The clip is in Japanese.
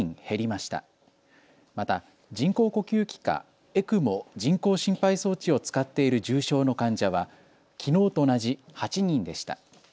また、人工呼吸器かＥＣＭＯ・人工心肺装置を使っている重症の患者はきのうと同じ８人でした。